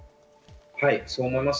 そう思います。